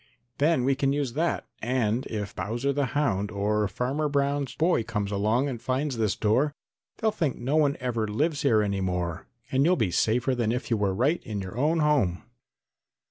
"Then we can use that, and if Bowser the Hound or Farmer Brown's boy comes along and finds this door they'll think no one ever lives here any more and you'll be safer than if you were right in your own home."